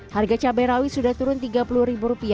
harga cabai rawit sudah turun rp tiga puluh